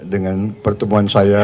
dengan pertemuan saya